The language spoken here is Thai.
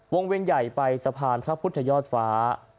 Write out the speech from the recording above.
เวียนใหญ่ไปสะพานพระพุทธยอดฟ้า